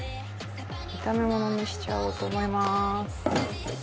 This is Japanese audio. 炒め物にしちゃおうと思います。